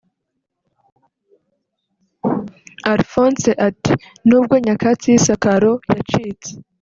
Alphonse ati "N’ubwo Nyakatsi y’isakaro yacitse